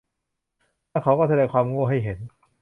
และเขาก็แสดงความโง่ให้เห็น